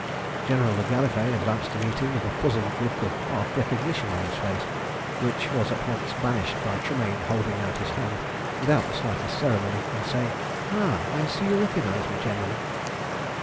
General le Gallifet advanced to meet him with a puzzled look of half recognition on his face, which was at once banished by Tremayne holding out his hand without the slightest ceremony, and saying "Ah, I see you recognise me, General!"